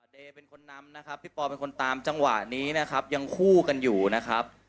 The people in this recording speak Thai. เดย์เป็นคนนำนะครับพี่ปอเป็นคนตามจังหวะนี้นะครับยังคู่กันอยู่นะครับ